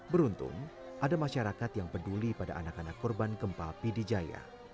beruntung ada masyarakat yang peduli pada anak anak korban gempa pidijaya